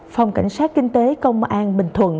phòng cảnh sát kinh tế công an bình thuận